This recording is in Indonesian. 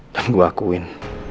dan gue akuin